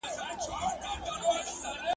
هيڅ ګوند نه غواړي چي شاته پاته سي.